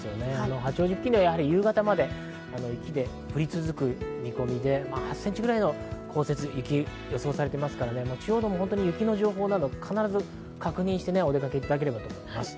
八王子付近では夕方まで雪が降り続く見込みで、８センチぐらいの降雪、雪が予想されていますので、雪の情報など必ず確認して、お出かけいただければと思います。